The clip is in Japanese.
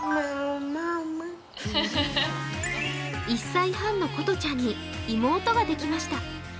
１歳半のことちゃんに妹ができました。